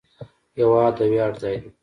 هېواد د ویاړ ځای دی.